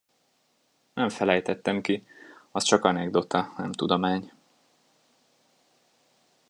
Nem felejtettem ki, az csak anekdota, nem tudomány.